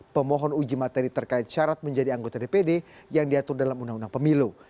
pemohon uji materi terkait syarat menjadi anggota dpd yang diatur dalam undang undang pemilu